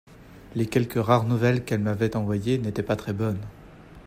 Les quelques rares nouvelles qu'elle m'avait envoyées n'ataient pas très bonnes.